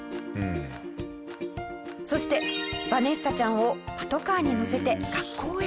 そしてヴァネッサちゃんをパトカーに乗せて学校へ。